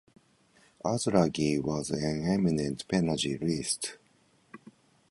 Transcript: Azraqi was an eminent panegyrist.